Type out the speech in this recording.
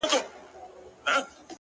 د ژوند دوران ته دي کتلي گراني ؛